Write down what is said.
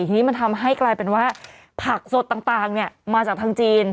ทีนี้มันทำให้กลายเป็นว่าผักสดต่างมาจากทางจีน